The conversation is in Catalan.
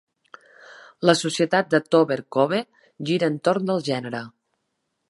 La societat de Tober Cove gira entorn del gènere.